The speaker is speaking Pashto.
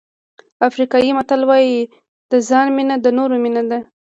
افریقایي متل وایي د ځان مینه د نورو مینه ده.